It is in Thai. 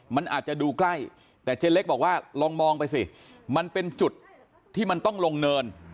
มันอาจจะดูใกล้แต่เจ๊เล็กบอกว่าลองมองไปสิมันเป็นจุดที่มันต้องลงเนิน